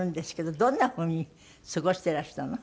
どんなふうに過ごしていらしたの？